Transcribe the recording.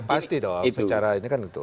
pasti dong secara ini kan gitu